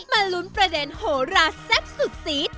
มาลุ้นประเด็นโหราแซ่บสุดซีด